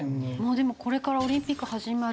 でもこれからオリンピック始まる。